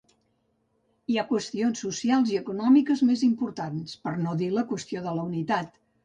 Hi ha qüestions socials i econòmiques més importants, per no dir la qüestió de la unitat.